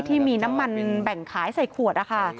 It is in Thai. ที่มีน้ำมันแบ่งขายใส่ขวดนะคะ